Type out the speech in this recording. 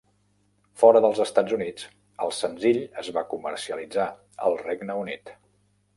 Fora dels Estats Units, el senzill es va comercialitzar al Regne Unit.